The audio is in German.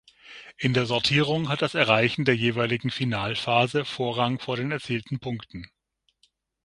In der Sortierung hat das erreichen der jeweiligen Finalphase Vorrang vor den erzielten Punkten.